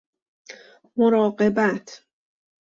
مراقبت